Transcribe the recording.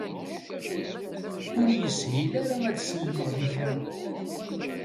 Ur yeshil ara ad sellmeɣ di kra.